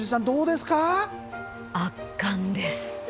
圧巻です。